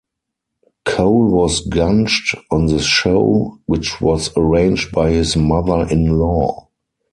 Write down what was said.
Cole was gunged on the show, which was arranged by his mother-in-law.